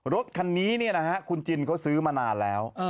รถคันนี้คุณจินเขาซื้อมานานแล้ว